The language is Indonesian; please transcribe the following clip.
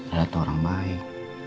ada tuh orang baik